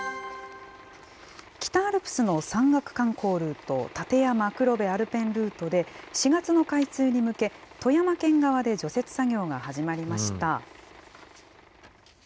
北アルプスの山岳観光ルート、立山黒部アルペンルートで、４月の開通に向け、富山県側で除雪作業が始まりました。